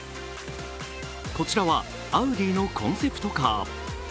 こちらはアウディのコンセプトカー。